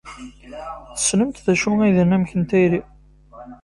Tessnemt d acu ay d anamek n tayri?